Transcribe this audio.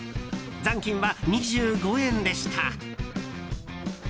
残金は２５円でした。